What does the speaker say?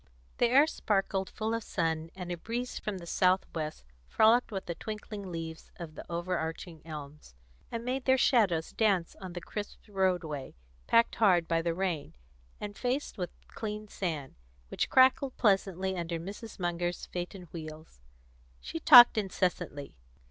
The air sparkled full of sun, and a breeze from the south west frolicked with the twinkling leaves of the overarching elms, and made their shadows dance on the crisp roadway, packed hard by the rain, and faced with clean sand, which crackled pleasantly under Mrs. Munger's phaeton wheels. She talked incessantly.